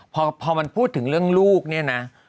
พอมันพูดถึงเรื่องลูกเนี่ยนะ